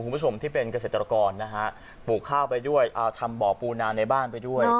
คุณผู้ชมที่เป็นเกษตรกรนะฮะปลูกข้าวไปด้วยเอาทำบ่อปูนาในบ้านไปด้วย